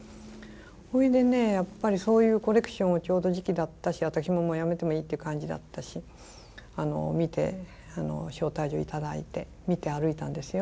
それでねやっぱりそういうコレクションをちょうど時期だったし私ももうやめてもいいって感じだったし見て招待状頂いて見て歩いたんですよ。